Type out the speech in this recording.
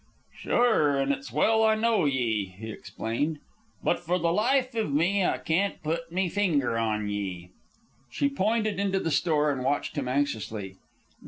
"Sure, an' it's well I know ye," he explained; "but for the life iv me I can't put me finger on ye." She pointed into the store and watched him anxiously.